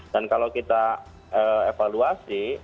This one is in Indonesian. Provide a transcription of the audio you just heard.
dan kalau kita evaluasi